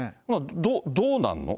どうなるの？